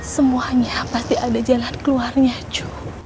semuanya pasti ada jalan keluarnya jo